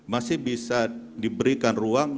masih bisa diberikan ruang